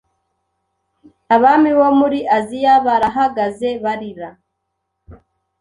Abami bo muri Aziya barahagaze Barira